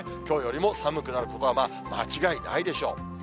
きょうよりも寒くなることは間違いないでしょう。